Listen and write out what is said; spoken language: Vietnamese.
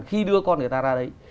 khi đưa con người ta ra đây